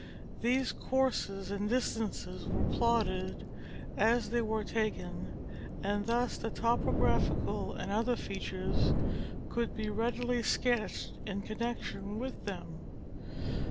These courses and distances were plotted as they were taken and thus the topo graphical and other features could be readily sketched in connec tion with them.